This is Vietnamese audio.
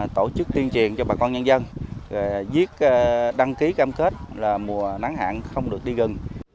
tổ chức tuyên truyền cho bà con nhân dân viết đăng ký cam kết là mùa nắng hạn không được đi gần